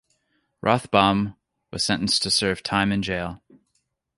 Rothbaum was sentenced to serve time in jail.